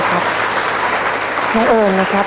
สวัสดีครับ